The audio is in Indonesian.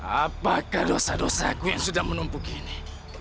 apakah dosa dosa aku yang sudah menumpuk ini